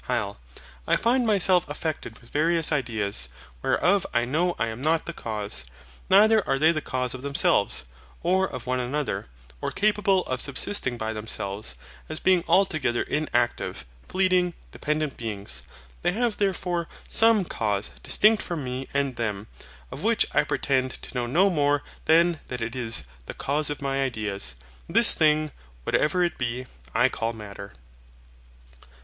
HYL. I find myself affected with various ideas, whereof I know I am not the cause; neither are they the cause of themselves, or of one another, or capable of subsisting by themselves, as being altogether inactive, fleeting, dependent beings. They have therefore SOME cause distinct from me and them: of which I pretend to know no more than that it is THE CAUSE OF MY IDEAS. And this thing, whatever it be, I call Matter.